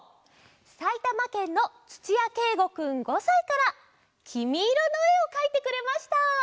さいたまけんのつちやけいごくん５さいから「きみイロ」のえをかいてくれました。